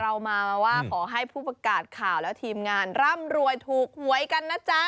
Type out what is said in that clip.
เรามามาว่าขอให้ผู้ประกาศข่าวและทีมงานร่ำรวยถูกหวยกันนะจ๊ะ